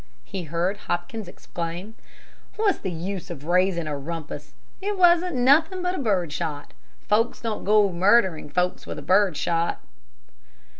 he heard Hopkins exclaim. "What's the use of raising a rumpus? It wasn't nothing but bird shot. Folks don't go murdering folks with bird shot."